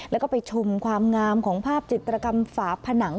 แล้วก็ไปชมความงามของภาพจิตรกรรมฝาผนัง